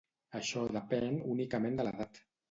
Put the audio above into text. Això depèn únicament de l'edat.